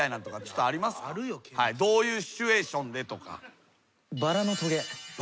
どういうシチュエーションでとか。